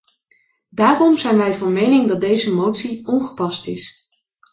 Daarom zijn wij van mening dat deze motie ongepast is.